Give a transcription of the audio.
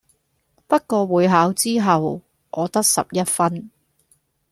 不過會考之後我得十一分⠀